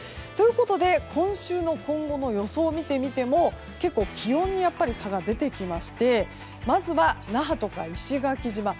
ということで今週の今後の予想を見てみても結構、気温に差が出てきましてまずは、那覇とか石垣島